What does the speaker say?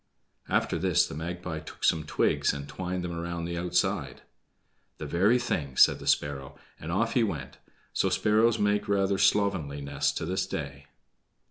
After this the Magpie took some twigs and twined them around the outside. "The very thing!" said the sparrow, and off he went; so sparrows make rather slovenly nests to this day.